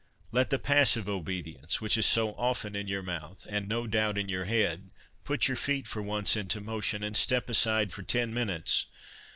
Let the Passive Obedience, which is so often in your mouth, and no doubt in your head, put your feet for once into motion, and step aside for ten minutes.